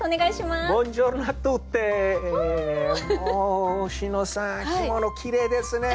着物きれいですね！